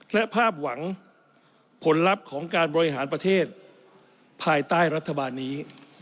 และภาพหวังผลลัพธ์ของการบริหารประเทศภายใต้รัฐบาลนี้